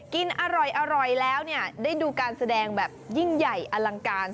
กินอร่อยแล้วเนี่ยได้ดูการแสดงแบบยิ่งใหญ่อลังการ